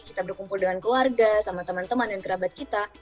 kita berkumpul dengan keluarga sama teman teman dan kerabat kita